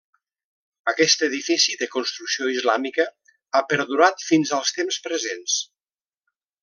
Aquest edifici, de construcció islàmica, ha perdurat fins als temps presents.